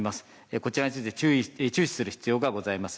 こちらについて注視する必要がございます。